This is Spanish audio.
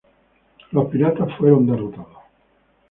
Los piratas fueron derrotados.